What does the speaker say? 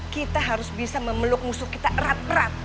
kita harus bisa memeluk musuh kita erat berat